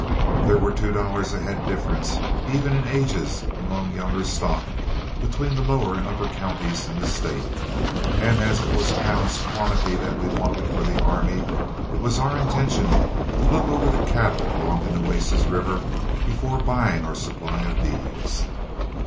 There were two dollars a head difference, even in ages among younger stock, between the lower and upper counties in the State, and as it was pounds quantity that we wanted for the army, it was our intention to look over the cattle along the Nueces River before buying our supply of beeves.